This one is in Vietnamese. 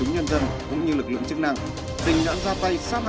người ta biết